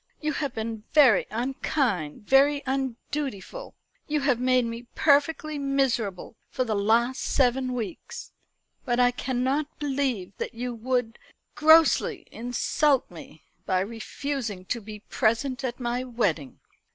You have been very unkind, very undutiful. You have made me perfectly miserable for the last seven weeks; but I cannot believe that you would grossly insult me by refusing to be present at my wedding."